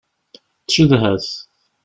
Tcedha-t.